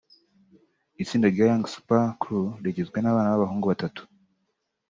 Itsinda rya Young Super Crew rigizwe n’abana b’abahungu batatu